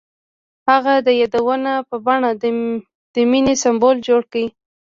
هغه د یادونه په بڼه د مینې سمبول جوړ کړ.